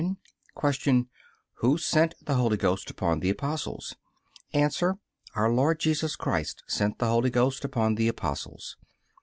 Q. Who sent the Holy Ghost upon the Apostles? A. Our Lord Jesus Christ sent the Holy Ghost upon the Apostles.